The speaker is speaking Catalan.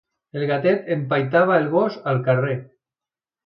El gatet empaitava el gos al carrer.